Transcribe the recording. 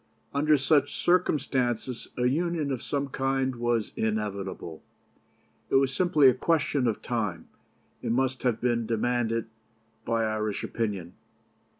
Under such circumstances a Union of some kind was inevitable. It was simply a question of time, and must have been demanded by Irish opinion.